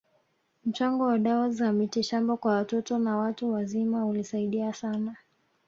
Mchango wa dawa za mitishamba kwa watoto na watu wazima ulisaidia sana